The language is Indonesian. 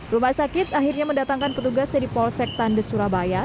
rumah sakit akhirnya mendatangkan petugas dari polsek tandes surabaya